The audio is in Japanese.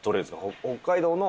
北海道の。